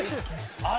あれ？